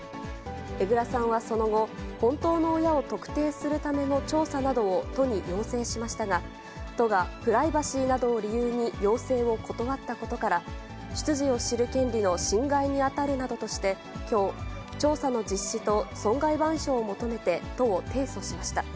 江蔵さんはその後、本当の親を特定するための調査などを都に要請しましたが、都がプライバシーなどを理由に要請を断ったことから、出自を知る権利の侵害に当たるなどとして、きょう、調査の実施と損害賠償を求めて都を提訴しました。